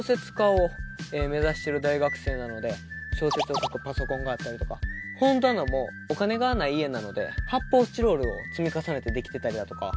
僕は小説を書くパソコンがあったりとか本棚もお金がない家なので発泡スチロールを積み重ねてできてたりだとか